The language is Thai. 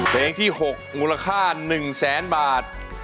เพลงที่๖มูลค่า๑แสนบาท